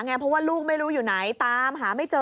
เพราะว่าลูกไม่รู้อยู่ไหนตามหาไม่เจอ